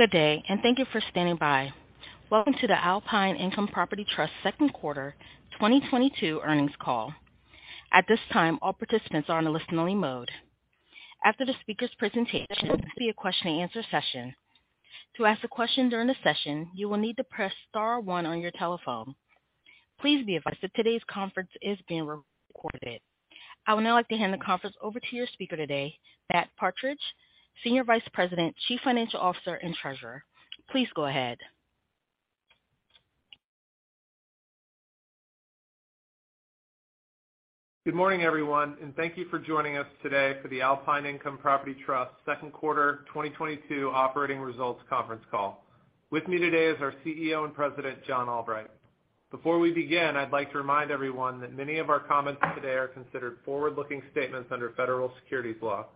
Good day, and thank you for standing by. Welcome to the Alpine Income Property Trust second quarter 2022 earnings call. At this time, all participants are in a listen-only mode. After the speakers' presentation, there will be a question-and-answer session. To ask a question during the session, you will need to press star one on your telephone. Please be advised that today's conference is being recorded. I would now like to hand the conference over to your speaker today, Matt Partridge, Senior Vice President, Chief Financial Officer, and Treasurer. Please go ahead. Good morning, everyone, and thank you for joining us today for the Alpine Income Property Trust second quarter 2022 operating results conference call. With me today is our CEO and President, John Albright. Before we begin, I'd like to remind everyone that many of our comments today are considered forward-looking statements under federal securities law.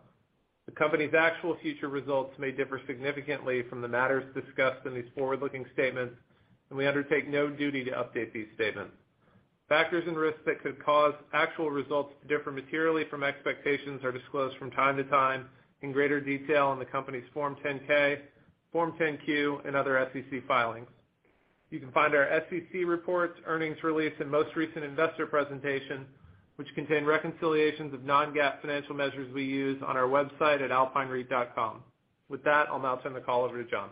The company's actual future results may differ significantly from the matters discussed in these forward-looking statements, and we undertake no duty to update these statements. Factors and risks that could cause actual results to differ materially from expectations are disclosed from time to time in greater detail in the company's Form 10-K, Form 10-Q, and other SEC filings. You can find our SEC reports, earnings release, and most recent investor presentation, which contain reconciliations of non-GAAP financial measures we use on our website at alpinereit.com. With that, I'll now turn the call over to John.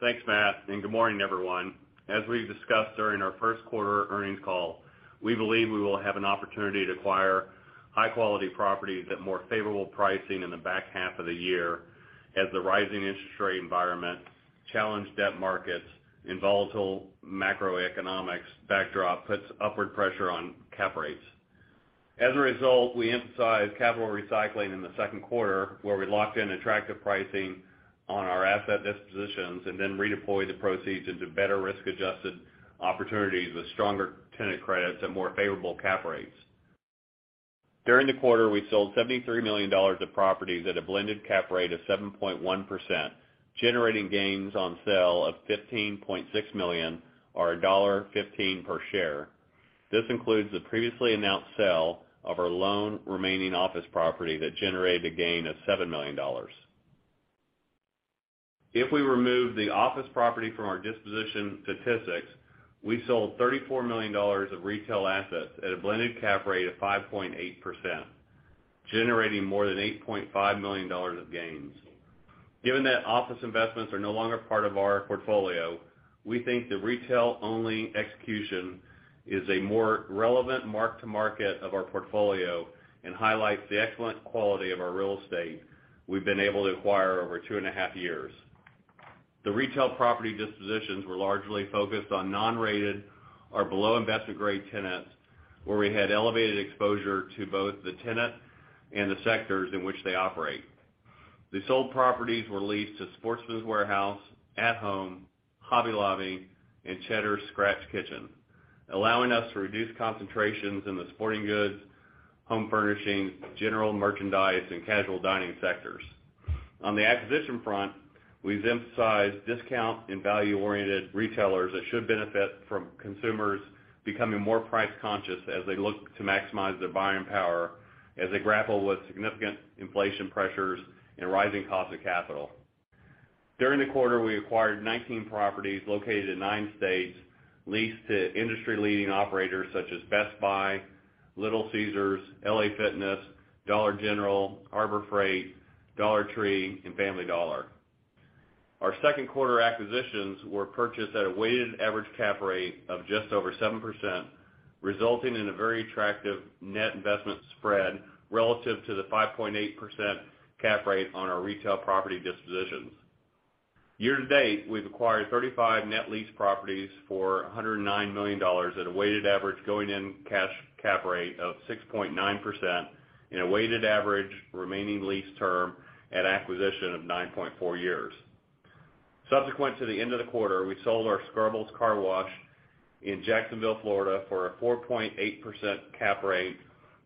Thanks, Matt, and good morning, everyone. As we discussed during our first quarter earnings call, we believe we will have an opportunity to acquire high-quality properties at more favorable pricing in the back half of the year as the rising interest rate environment, challenged debt markets, and volatile macroeconomic backdrop puts upward pressure on cap rates. As a result, we emphasized capital recycling in the second quarter, where we locked in attractive pricing on our asset dispositions and then redeployed the proceeds into better risk-adjusted opportunities with stronger tenant credits and more favorable cap rates. During the quarter, we sold $73 million of properties at a blended cap rate of 7.1%, generating gains on sale of $15.6 million or $1.15 per share. This includes the previously announced sale of our last remaining office property that generated a gain of $7 million. If we remove the office property from our disposition statistics, we sold $34 million of retail assets at a blended cap rate of 5.8%, generating more than $8.5 million of gains. Given that office investments are no longer part of our portfolio, we think the retail-only execution is a more relevant mark to market of our portfolio and highlights the excellent quality of our real estate we've been able to acquire over 2.5 years. The retail property dispositions were largely focused on non-rated or below-investment grade tenants, where we had elevated exposure to both the tenant and the sectors in which they operate. The sold properties were leased to Sportsman's Warehouse, At Home, Hobby Lobby, and Cheddar's Scratch Kitchen, allowing us to reduce concentrations in the sporting goods, home furnishings, general merchandise, and casual dining sectors. On the acquisition front, we've emphasized discount and value-oriented retailers that should benefit from consumers becoming more price-conscious as they look to maximize their buying power as they grapple with significant inflation pressures and rising cost of capital. During the quarter, we acquired 19 properties located in nine states leased to industry-leading operators such as Best Buy, Little Caesars, LA Fitness, Dollar General, Harbor Freight, Dollar Tree, and Family Dollar. Our second quarter acquisitions were purchased at a weighted average cap rate of just over 7%, resulting in a very attractive net investment spread relative to the 5.8% cap rate on our retail property dispositions. Year-to-date, we've acquired 35 net lease properties for $109 million at a weighted average going-in cash cap rate of 6.9% and a weighted average remaining lease term at acquisition of 9.4 years. Subsequent to the end of the quarter, we sold our Scrubbles Car Wash in Jacksonville, Florida for a 4.8% cap rate,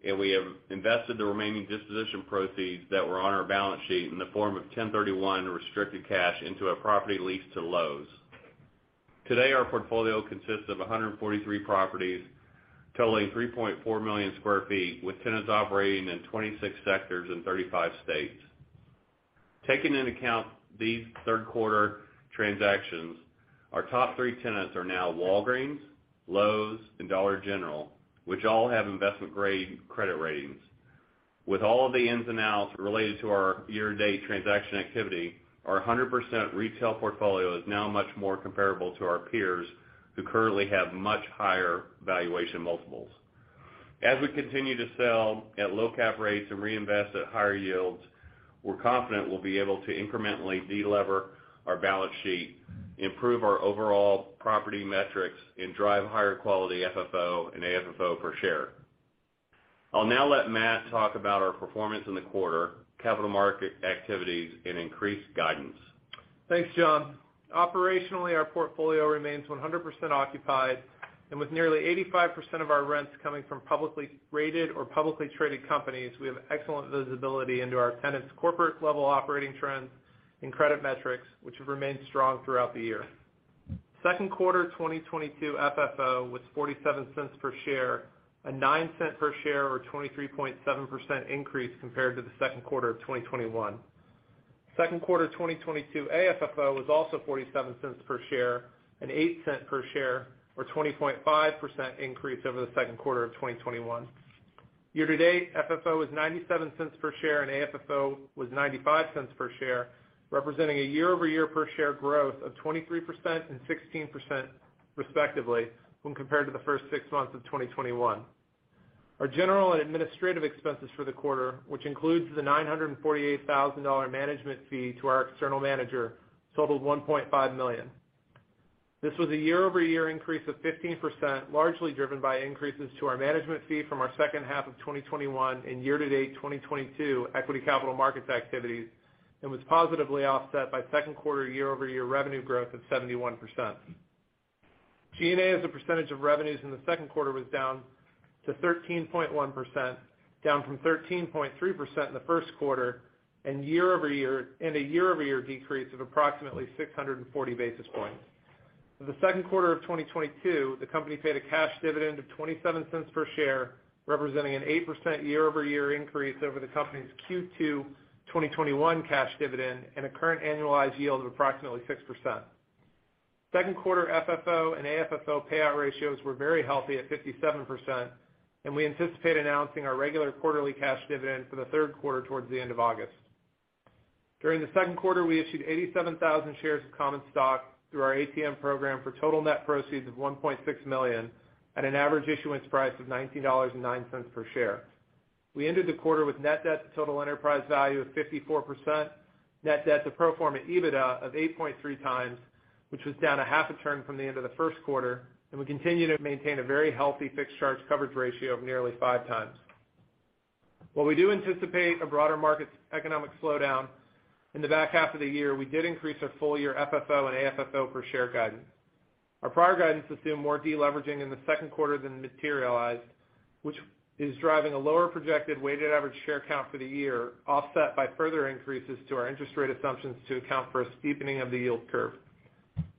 and we have invested the remaining disposition proceeds that were on our balance sheet in the form of 1031 restricted cash into a property leased to Lowe's. Today, our portfolio consists of 143 properties totaling 3.4 million sq ft, with tenants operating in 26 sectors in 35 states. Taking into account these third quarter transactions, our top three tenants are now Walgreens, Lowe's, and Dollar General, which all have investment-grade credit ratings. With all of the ins and outs related to our year-to-date transaction activity, our 100% retail portfolio is now much more comparable to our peers who currently have much higher valuation multiples. As we continue to sell at low cap rates and reinvest at higher yields, we're confident we'll be able to incrementally de-lever our balance sheet, improve our overall property metrics, and drive higher quality FFO and AFFO per share. I'll now let Matt talk about our performance in the quarter, capital market activities, and increased guidance. Thanks, John. Operationally, our portfolio remains 100% occupied. With nearly 85% of our rents coming from publicly rated or publicly traded companies, we have excellent visibility into our tenants' corporate-level operating trends and credit metrics, which have remained strong throughout the year. Second quarter 2022 FFO was $0.47 per share, a $0.09 per share or 23.7% increase compared to the second quarter of 2021. Second quarter 2022 AFFO was also $0.47 per share, an $0.08 per share, or 20.5% increase over the second quarter of 2021. Year-to-date, FFO was $0.97 per share, and AFFO was $0.95 per share, representing a year-over-year per share growth of 23% and 16% respectively when compared to the first six months of 2021. Our general and administrative expenses for the quarter, which includes the $948,000 management fee to our external manager, totaled $1.5 million. This was a year-over-year increase of 15%, largely driven by increases to our management fee from our second half of 2021 and year-to-date 2022 equity capital markets activities, and was positively offset by second quarter year-over-year revenue growth of 71%. G&A, as a percentage of revenues in the second quarter, was down to 13.1%, down from 13.3% in the first quarter, and a year-over-year decrease of approximately 640 basis points. For the second quarter of 2022, the company paid a cash dividend of $0.27 per share, representing an 8% year-over-year increase over the company's Q2 2021 cash dividend and a current annualized yield of approximately 6%. Second quarter FFO and AFFO payout ratios were very healthy at 57%, and we anticipate announcing our regular quarterly cash dividend for the third quarter towards the end of August. During the second quarter, we issued 87,000 shares of common stock through our ATM program for total net proceeds of $1.6 million at an average issuance price of $19.09 per share. We ended the quarter with net debt to total enterprise value of 54%, net debt to pro forma EBITDA of 8.3x, which was down a half a turn from the end of the first quarter. We continue to maintain a very healthy fixed charge coverage ratio of nearly five times. While we do anticipate a broader market economic slowdown in the back half of the year, we did increase our full year FFO and AFFO per share guidance. Our prior guidance assumed more deleveraging in the second quarter than materialized, which is driving a lower projected weighted average share count for the year, offset by further increases to our interest rate assumptions to account for a steepening of the yield curve.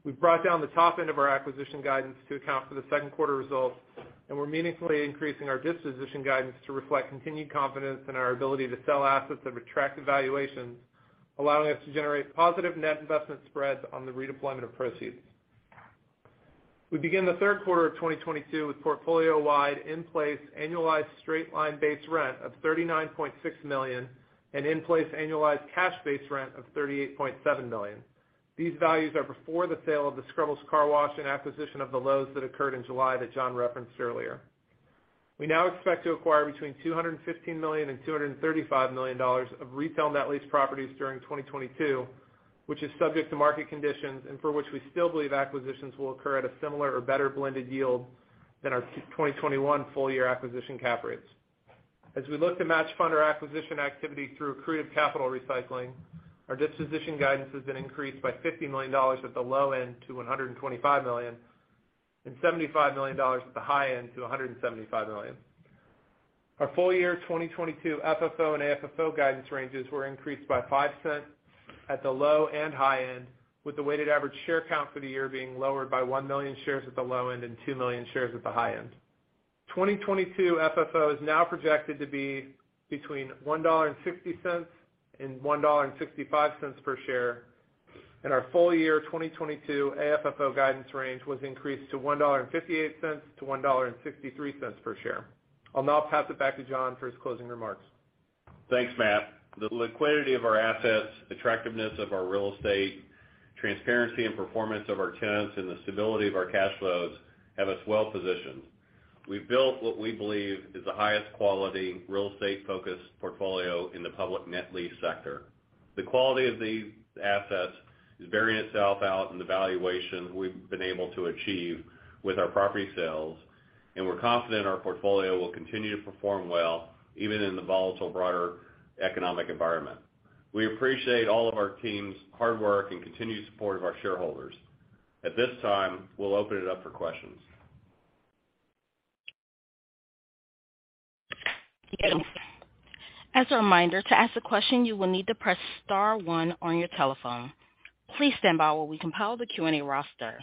We've brought down the top end of our acquisition guidance to account for the second quarter results, and we're meaningfully increasing our disposition guidance to reflect continued confidence in our ability to sell assets at attractive valuations, allowing us to generate positive net investment spreads on the redeployment of proceeds. We begin the third quarter of 2022 with portfolio-wide in-place annualized straight-line base rent of $39.6 million and in-place annualized cash base rent of $38.7 million. These values are before the sale of the Scrubbles Car Wash and acquisition of the Lowe's that occurred in July that John referenced earlier. We now expect to acquire between $215 million and $235 million of retail net lease properties during 2022, which is subject to market conditions and for which we still believe acquisitions will occur at a similar or better blended yield than our 2021 full year acquisition cap rates. As we look to match fund our acquisition activity through accretive capital recycling, our disposition guidance has been increased by $50 million at the low end to $125 million and $75 million at the high end to $175 million. Our full year 2022 FFO and AFFO guidance ranges were increased by $0.05 at the low and high end, with the weighted average share count for the year being lowered by 1 million shares at the low end and 2 million shares at the high end. 2022 FFO is now projected to be between $1.50 and $1.65 per share, and our full year 2022 AFFO guidance range was increased to $1.58-$1.63 per share. I'll now pass it back to John for his closing remarks. Thanks, Matt. The liquidity of our assets, attractiveness of our real estate, transparency and performance of our tenants, and the stability of our cash flows have us well positioned. We've built what we believe is the highest quality real estate focused portfolio in the public net lease sector. The quality of the assets is bearing itself out in the valuation we've been able to achieve with our property sales, and we're confident our portfolio will continue to perform well even in the volatile, broader economic environment. We appreciate all of our team's hard work and continued support of our shareholders. At this time, we'll open it up for questions. As a reminder, to ask a question, you will need to press star one on your telephone. Please stand by while we compile the Q&A roster.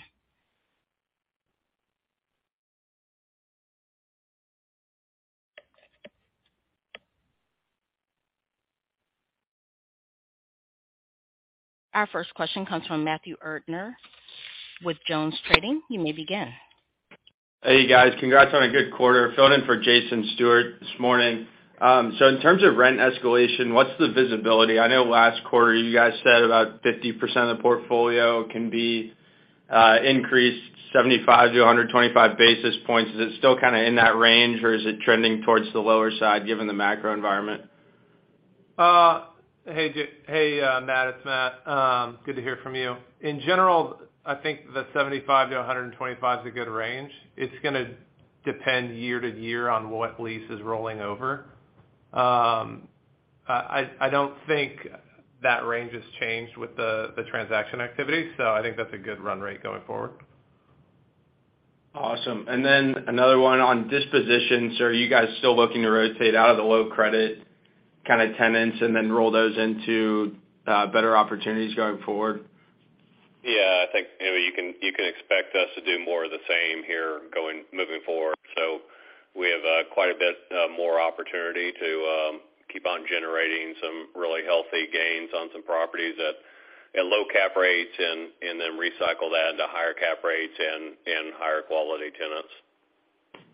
Our first question comes from Matthew Erdner with Jones Trading. You may begin. Hey, guys. Congrats on a good quarter. Filling in for Jason Stewart this morning. In terms of rent escalation, what's the visibility? I know last quarter you guys said about 50% of the portfolio can be increased 75 basis points-125 basis points. Is it still kind of in that range, or is it trending towards the lower side given the macro environment? Hey, Matt, it's Matt. Good to hear from you. In general, I think the 75 basis points-125 basis points is a good range. It's gonna depend year to year on what lease is rolling over. I don't think that range has changed with the transaction activity, so I think that's a good run rate going forward. Awesome. Another one on disposition. Are you guys still looking to rotate out of the low credit kind of tenants and then roll those into, better opportunities going forward? Yeah, I think, anyway, you can expect us to do more of the same here moving forward. We have quite a bit more opportunity to keep on generating some really healthy gains on some properties at low cap rates and then recycle that into higher cap rates and higher quality tenants.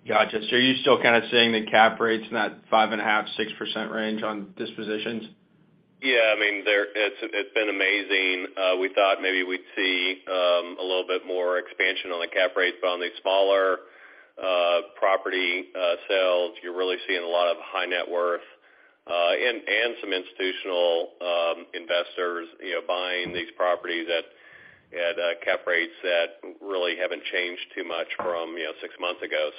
Got you. Are you still kind of seeing the cap rates in that 5.5%-6% range on dispositions? I mean, it's been amazing. We thought maybe we'd see a little bit more expansion on the cap rates, but on the smaller property sales, you're really seeing a lot of high net worth and some institutional investors, you know, buying these properties at cap rates that really haven't changed too much from, you know, six months ago.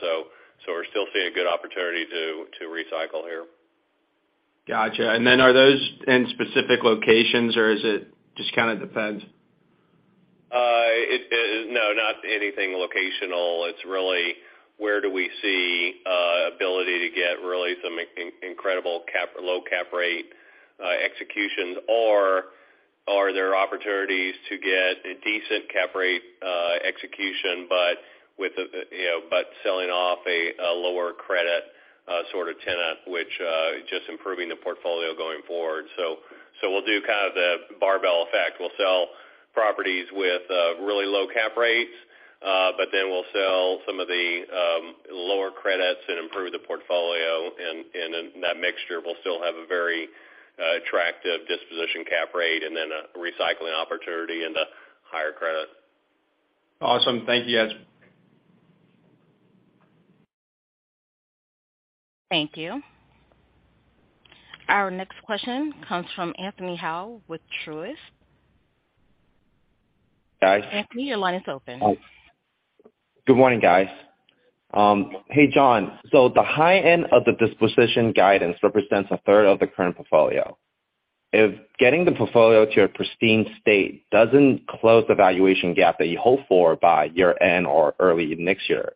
We're still seeing a good opportunity to recycle here. Got you. Are those in specific locations or is it just kind of depends? No, not anything locational. It's really where do we see ability to get really some incredibly low cap rate execution or are there opportunities to get a decent cap rate execution, but with a, you know, but selling off a lower credit sort of tenant, which just improving the portfolio going forward. We'll do kind of the barbell effect. We'll sell properties with really low cap rates, but then we'll sell some of the lower credits and improve the portfolio. In that mixture, we'll still have a very attractive disposition cap rate and then a recycling opportunity into higher credit. Awesome. Thank you, guys. Thank you. Our next question comes from Anthony Hau with Truist. Guys. Anthony, your line is open. Good morning, guys. Hey, John. The high end of the disposition guidance represents a third of the current portfolio. If getting the portfolio to a pristine state doesn't close the valuation gap that you hope for by year end or early next year,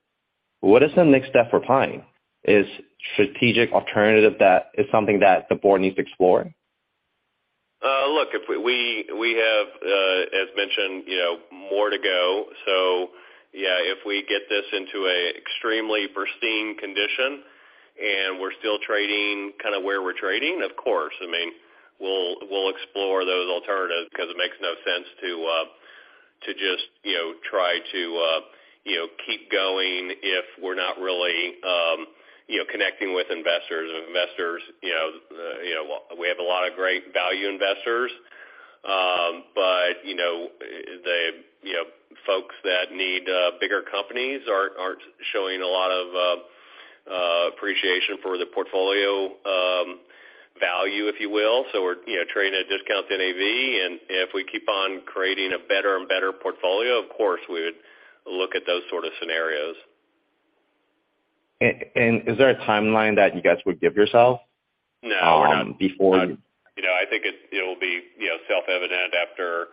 what is the next step for Alpine? Is strategic alternative that is something that the board needs to explore? Look, if we have, as mentioned, you know, more to go. Yeah, if we get this into a extremely pristine condition and we're still trading kind of where we're trading, of course. I mean, we'll explore those alternatives because it makes no sense to just, you know, try to keep going if we're not really, you know, connecting with investors. Investors, you know, we have a lot of great value investors, but they, you know, folks that need bigger companies aren't showing a lot of appreciation for the portfolio value, if you will. We're, you know, trading at discount to NAV. If we keep on creating a better and better portfolio, of course, we would look at those sort of scenarios. Is there a timeline that you guys would give yourself? No, we're not. Um, before. You know, I think it'll be, you know, self-evident after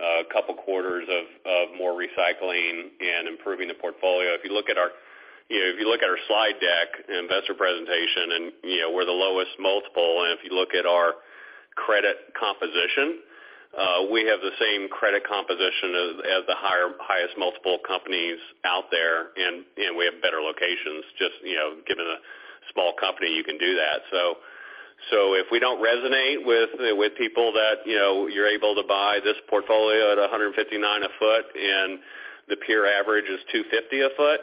a couple quarters of more recycling and improving the portfolio. If you look at our slide deck investor presentation and, you know, we're the lowest multiple, and if you look at our credit composition, we have the same credit composition as the highest multiple companies out there. You know, we have better locations. Just, you know, given a small company, you can do that. If we don't resonate with people that you know you're able to buy this portfolio at $159/ft and the peer average is $250/ft,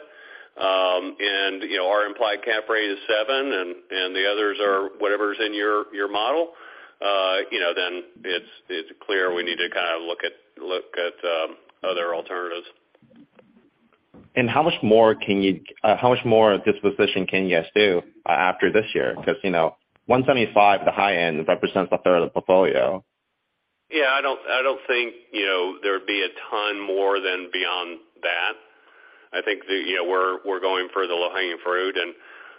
and you know our implied cap rate is 7% and the others are whatever's in your model, you know then it's clear we need to kind of look at other alternatives. How much more disposition can you guys do after this year? Because, you know, $175 at the high end represents a third of the portfolio. Yeah, I don't think, you know, there would be a ton more than beyond that. I think. You know, we're going for the low-hanging fruit, and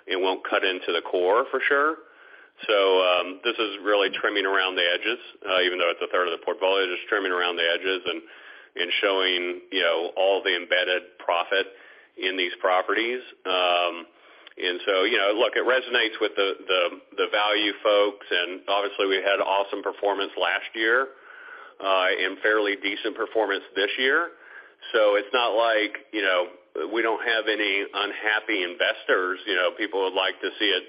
it won't cut into the core for sure. This is really trimming around the edges. Even though it's a third of the portfolio, just trimming around the edges and showing, you know, all the embedded profit in these properties. You know, look, it resonates with the value folks. Obviously we had awesome performance last year and fairly decent performance this year. It's not like, you know, we don't have any unhappy investors. You know, people would like to see it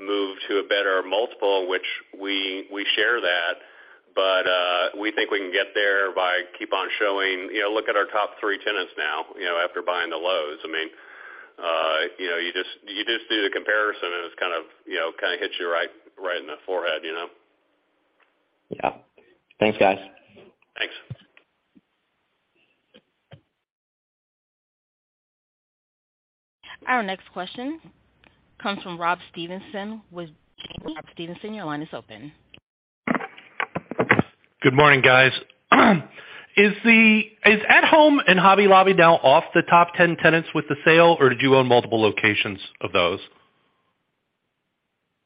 move to a better multiple, which we share that. We think we can get there by keep on showing. You know, look at our top three tenants now, you know, after buying Lowe's. I mean, you know, you just do the comparison and it's kind of, you know, kind of hits you right in the forehead, you know? Yeah. Thanks, guys. Thanks. Our next question comes from Rob Stevenson with Janney. Rob Stevenson, your line is open. Good morning, guys. Is At Home and Hobby Lobby now off the top 10 tenants with the sale, or did you own multiple locations of those?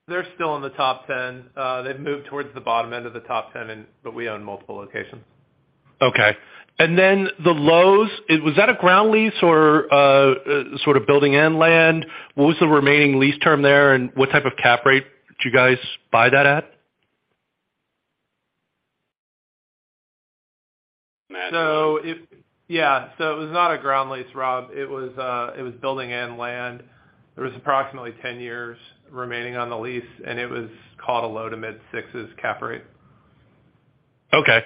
They're still in the top 10. They've moved towards the bottom end of the top 10. We own multiple locations. Okay. The Lowe's, was that a ground lease or sort of building and land? What was the remaining lease term there, and what type of cap rate did you guys buy that at? It was not a ground lease, Rob. It was building and land. There was approximately 10 years remaining on the lease, and it was called a low-to-mid-sixes cap rate. Okay.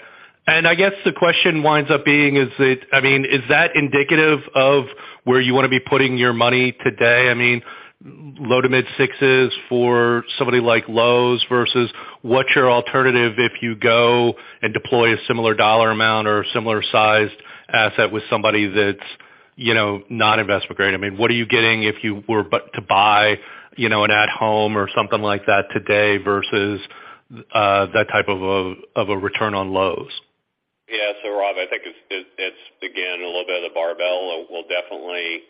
I guess the question winds up being, is that indicative of where you wanna be putting your money today? I mean, low-to-mid-sixes for somebody like Lowe's versus what's your alternative if you go and deploy a similar dollar amount or a similar sized asset with somebody that's, you know, not investment-grade? I mean, what are you getting if you were to buy, you know, an At Home or something like that today versus that type of a return on Lowe's? Yeah. Rob, I think it's again a little bit of the barbell. We'll definitely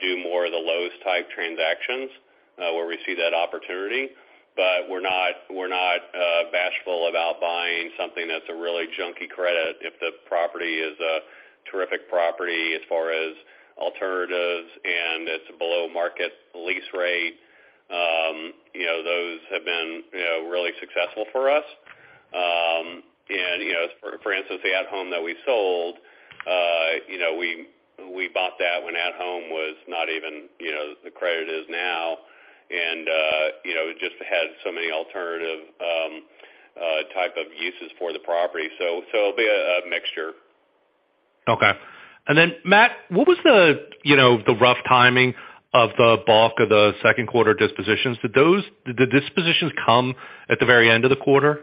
do more of the Lowe's type transactions where we see that opportunity. We're not bashful about buying something that's a really junky credit if the property is a terrific property as far as alternatives and it's below market lease rate. You know, those have been really successful for us. You know, for instance, the At Home that we sold, you know, we bought that when At Home was not even the credit it is now. You know, it just has so many alternative type of uses for the property. It'll be a mixture. Okay. Matt, what was the, you know, the rough timing of the bulk of the second quarter dispositions? Did the dispositions come at the very end of the quarter?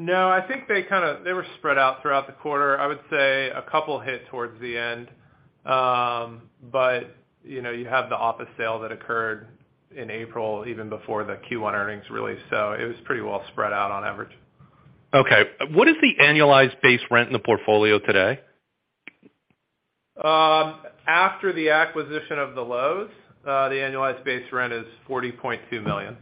No, I think they were spread out throughout the quarter. I would say a couple hit towards the end. You know, you have the office sale that occurred in April even before the Q1 earnings release. It was pretty well spread out on average. Okay. What is the annualized base rent in the portfolio today? After the acquisition of the Lowe's, the annualized base rent is $40.2 million.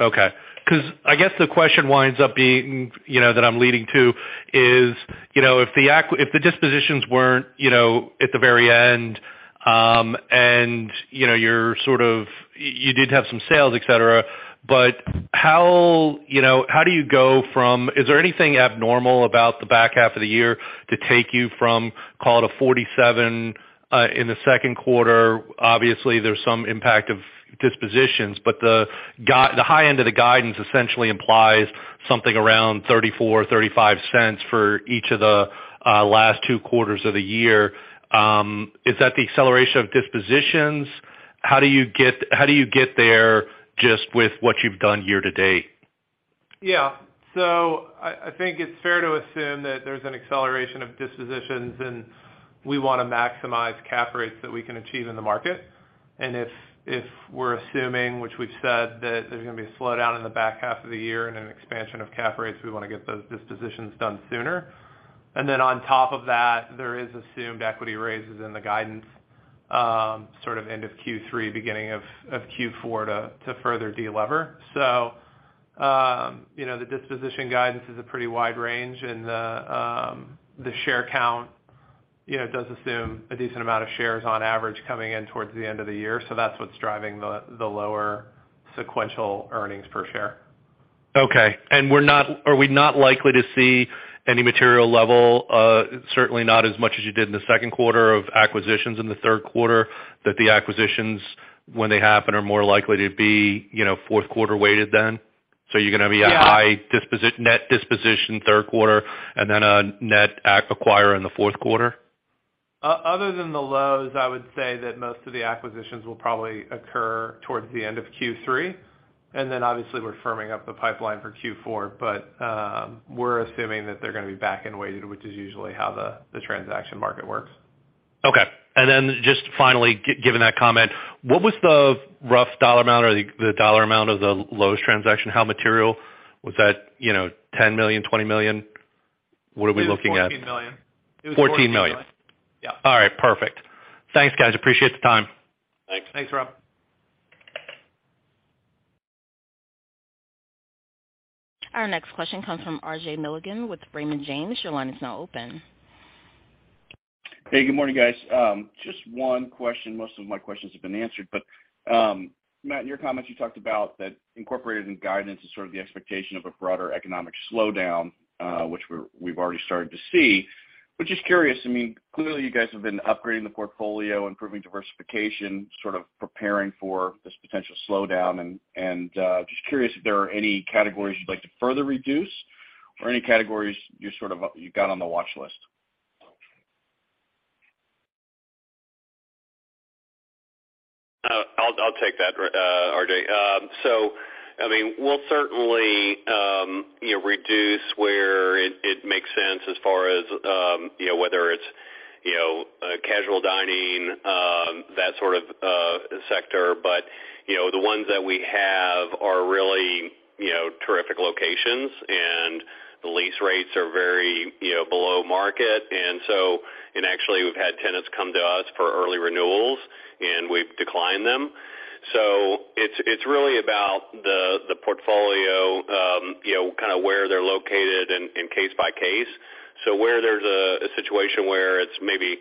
Okay. 'Cause I guess the question winds up being, you know, that I'm leading to is, you know, if the dispositions weren't, you know, at the very end, and, you know, you're sort of. You did have some sales, et cetera, but how, you know, how do you go from. Is there anything abnormal about the back half of the year to take you from call it a $0.47 in the second quarter? Obviously, there's some impact of dispositions, but the high end of the guidance essentially implies something around $0.34 or $0.35 for each of the last two quarters of the year. Is that the acceleration of dispositions? How do you get there just with what you've done year to date? Yeah. I think it's fair to assume that there's an acceleration of dispositions, and we wanna maximize cap rates that we can achieve in the market. If we're assuming, which we've said, that there's gonna be a slowdown in the back half of the year and an expansion of cap rates, we wanna get those dispositions done sooner. Then on top of that, there is assumed equity raises in the guidance, sort of end of Q3, beginning of Q4 to further de-lever. You know, the disposition guidance is a pretty wide range, and the share count does assume a decent amount of shares on average coming in towards the end of the year. That's what's driving the lower sequential earnings per share. Okay. Are we not likely to see any material level, certainly not as much as you did in the second quarter of acquisitions in the third quarter, that the acquisitions, when they happen, are more likely to be, you know, fourth quarter weighted then? You're gonna be a net disposition third quarter and then a net acquisition in the fourth quarter? Other than the Lowe's, I would say that most of the acquisitions will probably occur towards the end of Q3, and then obviously we're firming up the pipeline for Q4. We're assuming that they're gonna be back-end weighted, which is usually how the transaction market works. Okay. Just finally given that comment, what was the rough dollar amount or the dollar amount of the Lowe's transaction? How material was that, you know, $10 million, $20 million? What are we looking at? It was $14 million. $14 million. Yeah. All right, perfect. Thanks, guys, appreciate the time. Thanks. Thanks, Rob. Our next question comes from RJ Milligan with Raymond James. Your line is now open. Hey, good morning, guys. Just one question. Most of my questions have been answered. Matt, in your comments, you talked about that incorporated in guidance is sort of the expectation of a broader economic slowdown, which we've already started to see. Just curious, I mean, clearly you guys have been upgrading the portfolio, improving diversification, sort of preparing for this potential slowdown. Just curious if there are any categories you'd like to further reduce or any categories you're sort of you got on the watchlist. I'll take that, RJ. I mean, we'll certainly, you know, reduce where it makes sense as far as, you know, whether it's, you know, casual dining, that sort of sector, but, you know, the ones that we have are really, you know, terrific locations, and the lease rates are very, you know, below market. Actually, we've had tenants come to us for early renewals, and we've declined them. It's really about the portfolio, you know, kind of where they're located and case by case. Where there's a situation where it's maybe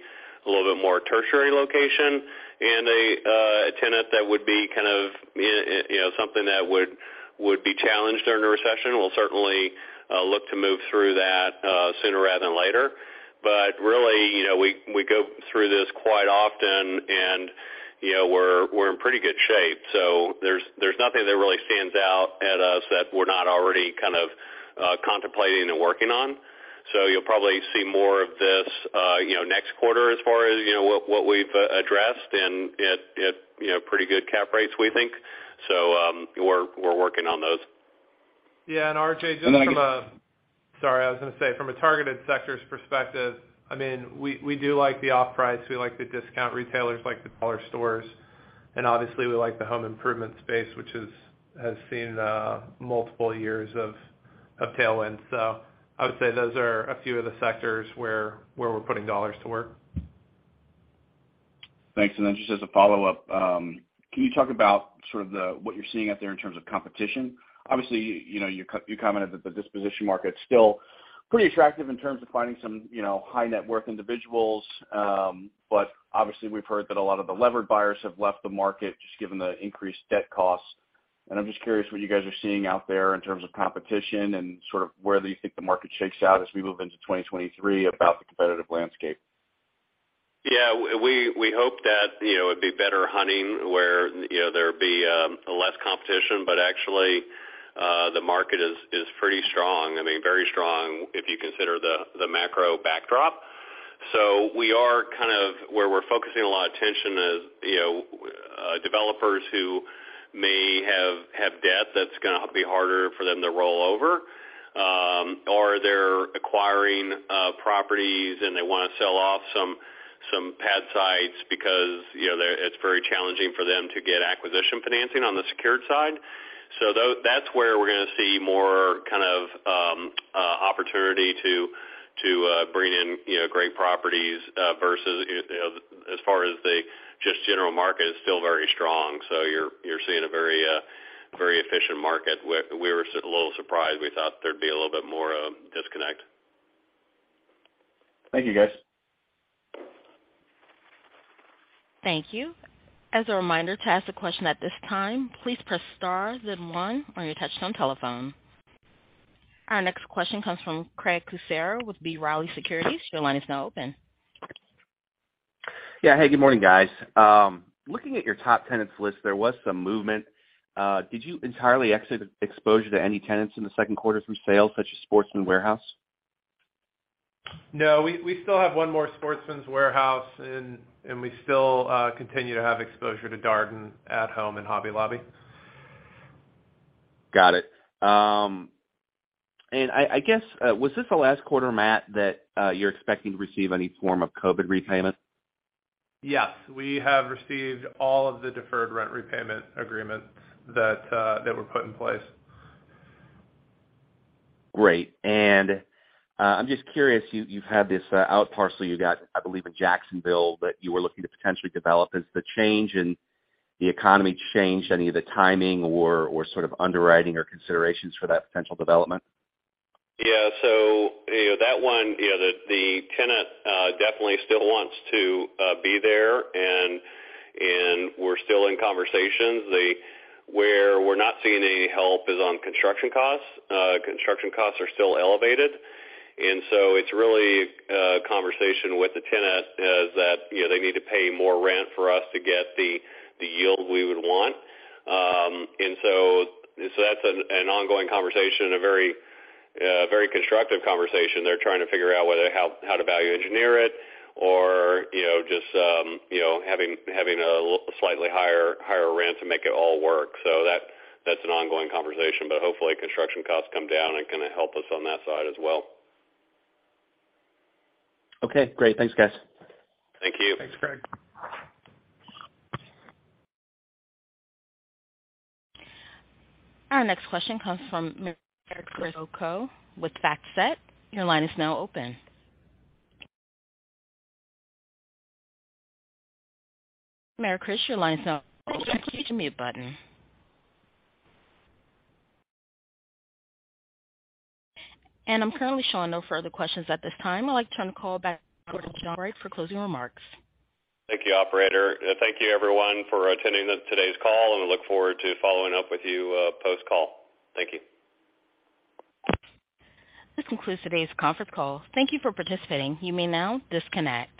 a little bit more tertiary location and a tenant that would be kind of, you know, something that would be challenged during a recession, we'll certainly look to move through that sooner rather than later. Really, you know, we go through this quite often and, you know, we're in pretty good shape. There's nothing that really stands out at us that we're not already kind of contemplating and working on. You'll probably see more of this, you know, next quarter as far as, you know, what we've addressed and at, you know, pretty good cap rates, we think. We're working on those. Yeah. RJ, just from a. I guess. Sorry, I was gonna say from a targeted sectors perspective, I mean, we do like the off-price. We like the discount retailers, like the dollar stores, and obviously we like the home improvement space, which has seen multiple years of tailwind. I would say those are a few of the sectors where we're putting dollars to work. Thanks. Then just as a follow-up, can you talk about sort of what you're seeing out there in terms of competition? Obviously, you know, you commented that the disposition market's still pretty attractive in terms of finding some, you know, high net worth individuals. Obviously we've heard that a lot of the levered buyers have left the market just given the increased debt costs. I'm just curious what you guys are seeing out there in terms of competition and sort of where do you think the market shakes out as we move into 2023 about the competitive landscape. Yeah, we hope that, you know, it'd be better hunting where, you know, there'd be less competition, but actually the market is pretty strong, I mean, very strong if you consider the macro backdrop. We are kind of where we're focusing a lot of attention is, you know, developers who may have debt that's gonna be harder for them to roll over or they're acquiring properties, and they wanna sell off some pad sites because, you know, it's very challenging for them to get acquisition financing on the secured side. That's where we're gonna see more kind of opportunity to bring in, you know, great properties versus, you know, as far as the just general market is still very strong. You're seeing a very efficient market. We were a little surprised. We thought there'd be a little bit more, disconnect. Thank you, guys. Thank you. As a reminder, to ask a question at this time, please press star then one on your touchtone telephone. Our next question comes from Craig Kucera with B. Riley Securities. Your line is now open. Yeah. Hey, good morning, guys. Looking at your top tenants list, there was some movement. Did you entirely exit exposure to any tenants in the second quarter from sales such as Sportsman's Warehouse? No, we still have one more Sportsman's Warehouse and we still continue to have exposure to Darden, At Home, and Hobby Lobby. Got it. I guess, was this the last quarter, Matt, that you're expecting to receive any form of COVID repayment? Yes. We have received all of the deferred rent repayment agreements that were put in place. Great. I'm just curious, you've had this out parcel you got, I believe, in Jacksonville that you were looking to potentially develop. Has the change in the economy changed any of the timing or sort of underwriting or considerations for that potential development? Yeah. You know, that one, you know, the tenant definitely still wants to be there, and we're still in conversations. Where we're not seeing any help is on construction costs. Construction costs are still elevated, and it's really a conversation with the tenant is that, you know, they need to pay more rent for us to get the yield we would want. So that's an ongoing conversation, a very constructive conversation. They're trying to figure out how to value engineer it or, you know, just having a slightly higher rent to make it all work. That's an ongoing conversation, but hopefully construction costs come down and help us on that side as well. Okay, great. Thanks, guys. Thank you. Thanks, Craig. Our next question comes from Maricris Goco with FactSet. Your line is now open. Maricris, your line is now open. You can use the mute button. I'm currently showing no further questions at this time. I'd like to turn the call back over to John Albright for closing remarks. Thank you, operator. Thank you everyone for attending today's call, and we look forward to following up with you, post-call. Thank you. This concludes today's conference call. Thank you for participating. You may now disconnect.